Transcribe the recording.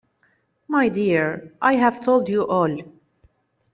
My dear, I have told you all.